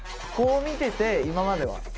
こう見てて、今までは。